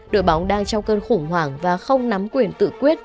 đội bóng đang trong cơn khủng hoảng và không nắm quyền tự quyết